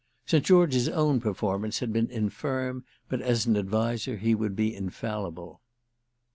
St. George's own performance had been infirm, but as an adviser he would be infallible.